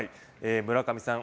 村上さん